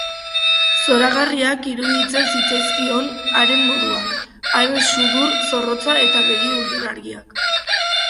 Zoragarriak iruditzen zitzaizkion haren moduak, haren sudur zorrotza eta begi urdin argiak.